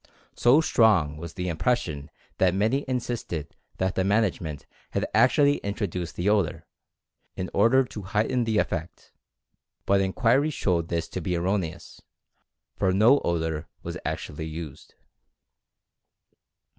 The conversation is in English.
So strong was the impression that many insisted that the management had actually in troduced the odor, in order to heighten the effect, but inquiry showed this to be erroneous, for no odor was actually used.